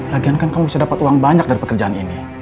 lagian kan kamu bisa dapat uang banyak dari pekerjaan ini